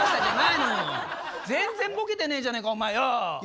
全然ボケてねえじゃねえかお前よ！